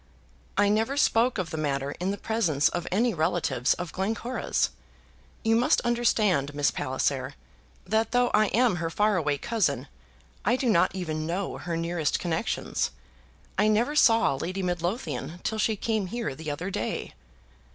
"I never spoke of the matter in the presence of any relatives of Glencora's. You must understand, Miss Palliser, that though I am her far away cousin, I do not even know her nearest connections. I never saw Lady Midlothian till she came here the other day."